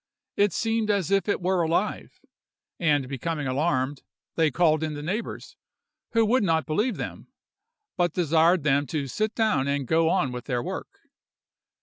It seemed as if it were alive, and becoming alarmed, they called in the neighbors, who would not believe them; but desired them to sit down and go on with their work.